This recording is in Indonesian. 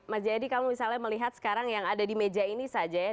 mas jayadi kalau misalnya melihat sekarang yang ada di meja ini saja ya